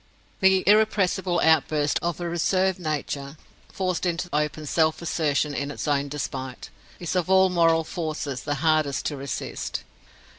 The irrepressible outburst of a reserved nature, forced into open self assertion in its own despite, is of all moral forces the hardest to resist.